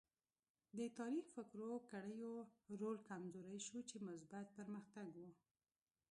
د تاریک فکرو کړیو رول کمزوری شو چې مثبت پرمختګ و.